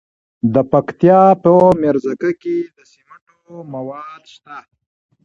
د پکتیا په میرزکه کې د سمنټو مواد شته.